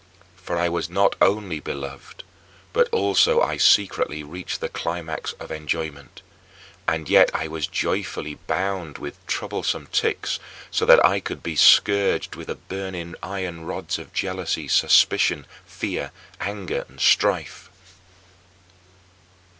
For I was not only beloved but also I secretly reached the climax of enjoyment; and yet I was joyfully bound with troublesome tics, so that I could be scourged with the burning iron rods of jealousy, suspicion, fear, anger, and strife.